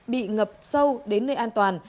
bị ngập sâu đến nơi an toàn